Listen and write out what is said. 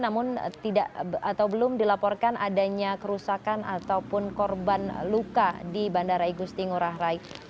namun tidak atau belum dilaporkan adanya kerusakan ataupun korban luka di bandara igusti ngurah rai